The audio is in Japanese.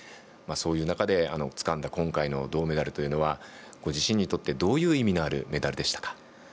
そういう中でつかんだ今回の銅メダルというのはご自身にとって、どういう意味のあるメダルでしたか？